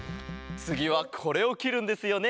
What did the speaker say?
つぎはこれをきるんですよね。